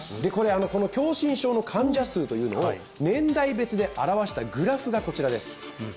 この狭心症の患者数というのを年代別で表したグラフがこちらです